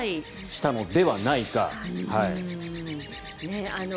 したのではないか。